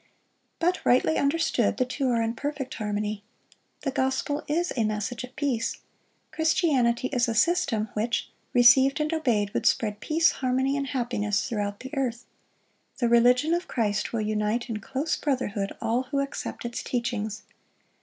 (65) But rightly understood, the two are in perfect harmony. The gospel is a message of peace. Christianity is a system, which, received and obeyed, would spread peace, harmony, and happiness throughout the earth. The religion of Christ will unite in close brotherhood all who accept its teachings.